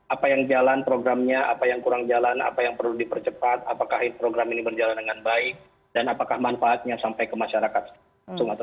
apa yang jalan programnya apa yang kurang jalan apa yang perlu dipercepat apakah program ini berjalan dengan baik dan apakah manfaatnya sampai ke masyarakat